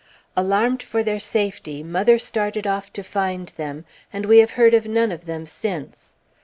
Alarmed for their safety, mother started off to find them, and we have heard of none of them since.